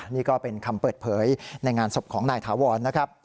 นี่ก็เป็นคำเปิดเผยในงานศพของนายถาวรนะครับ